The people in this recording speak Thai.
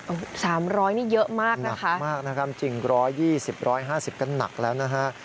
๓๐๐มิลลิเมตรนี่เยอะมากนะคะหนักมากนะครับจริง๑๒๐๑๕๐ก็หนักแล้วนะครับ